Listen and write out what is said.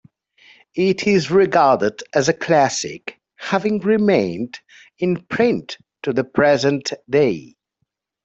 It is regarded as a classic, having remained in print to the present day.